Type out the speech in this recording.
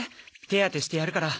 手当てしてやるから。